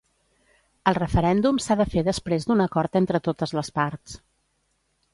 El referèndum s’ha de fer després d’un acord entre totes les parts.